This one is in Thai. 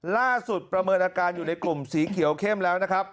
ประเมินอาการอยู่ในกลุ่มสีเขียวเข้มแล้วนะครับ